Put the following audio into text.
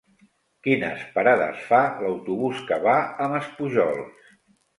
Quines parades fa l'autobús que va a Maspujols?